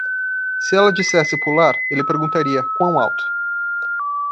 Se ela dissesse "pular", ele perguntaria "quão alto?"